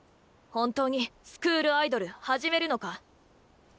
本当にスクールアイドル始めるのか？